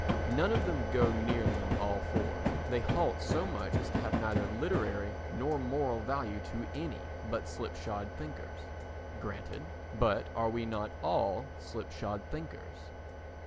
None of them go nearly on all fours, they halt so much as to have neither literary nor moral value to any but slipshod thinkers. Granted, but are we not all slipshod thinkers?